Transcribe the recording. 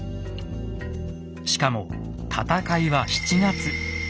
しかも戦いは７月。